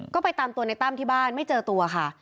ก็ไปตามตัวในตั้มที่บ้านไม่เจอตัวค่ะ